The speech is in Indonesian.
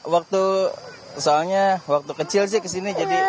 waktu soalnya waktu kecil sih kesini